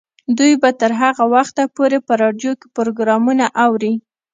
دوی به تر هغه وخته پورې په راډیو کې پروګرامونه اوري.